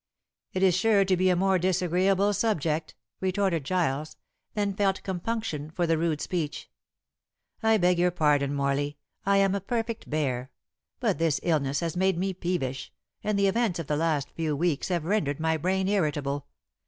"It is sure to be a more disagreeable subject," retorted Giles; then felt compunction for the rude speech. "I beg your pardon, Morley, I am a perfect bear. But this illness has made me peevish, and the events of the last few weeks have rendered my brain irritable.